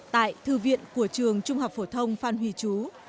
tại thư viện của trường trung học phổ thông phan huy chú